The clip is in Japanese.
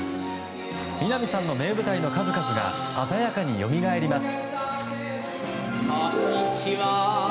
三波さんの名舞台の数々が鮮やかによみがえります。